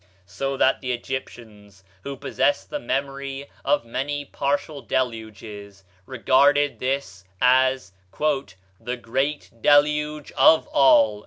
So that the Egyptians, who possessed the memory of many partial deluges, regarded this as "the great deluge of all."